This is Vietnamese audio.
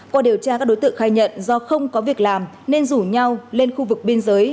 qua điều tra các đối tượng khai nhận do không có việc làm nên rủ nhau lên khu vực biên giới